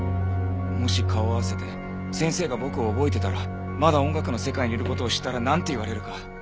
もし顔を合わせて先生が僕を覚えてたらまだ音楽の世界にいる事を知ったらなんて言われるか。